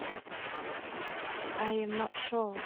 I am not sure.